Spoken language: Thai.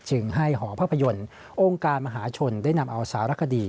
จึงให้หอภาพยนตร์องค์การมหาชนได้นำเอาสารคดี